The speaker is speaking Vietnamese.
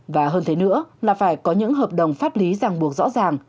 và hơn thế nữa là phải có những hợp đồng pháp lý ràng buộc rõ ràng